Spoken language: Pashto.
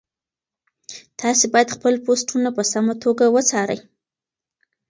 تاسي باید خپل پوسټونه په سمه توګه وڅارئ.